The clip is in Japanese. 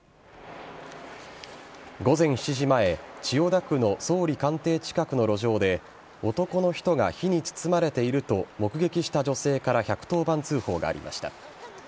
午前７時前千代田区の総理官邸近くの路上で男の人が火に包まれていると目撃した女性から１１０番通報がありました。